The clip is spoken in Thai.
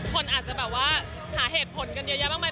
คนอาจจะแบบว่าหาเหตุผลกันเยอะแยะมากมาย